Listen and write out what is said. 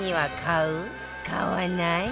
買わない？